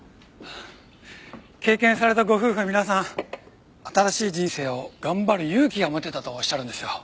経験されたご夫婦は皆さん新しい人生を頑張る勇気が持てたとおっしゃるんですよ。